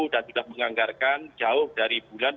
dan sudah menganggarkan jauh dari bulan